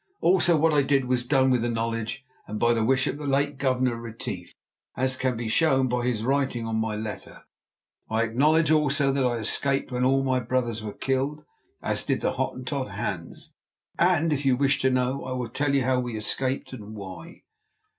Also what I did was done with the knowledge and by the wish of the late Governor Retief, as can be shown by his writing on my letter. I acknowledge also that I escaped when all my brothers were killed, as did the Hottentot Hans, and if you wish to know I will tell you how we escaped and why."